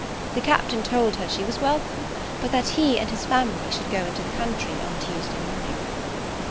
The Captain told her she was welcome, but that he and his family should go into the country on Tuesday morning.